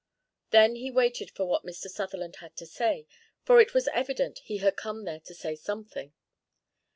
Then he waited for what Mr. Sutherland had to say, for it was evident he had come there to say something.